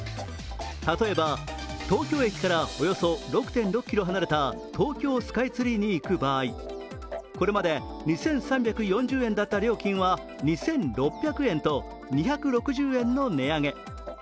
例えば東京駅からおよそ６．６ｋｍ離れた東京スカイツリーに行く場合これまで２３４０円だった料金は２６００円と２６０円の値上げ。